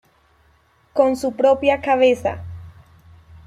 Con su propia cabeza.